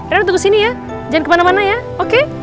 reyna tunggu sini ya jangan kemana mana ya oke